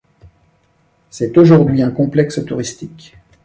C'est aujourd'hui un complexe touristique.